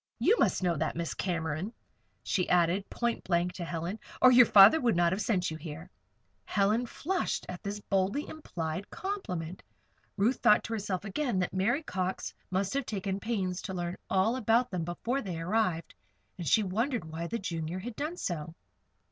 You must know that, Miss Cameron," she added, point blank to Helen, "or your father would not have sent you here." Helen flushed at this boldly implied compliment. Ruth thought to herself again that Mary Cox must have taken pains to learn all about them before they arrived, and she wondered why the Junior had done so.